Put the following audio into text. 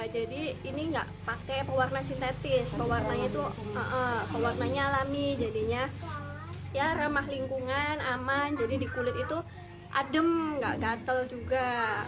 jadi ini enggak pakai pewarna sintetis pewarna nya alami jadinya ramah lingkungan aman jadi di kulit itu adem enggak gatel juga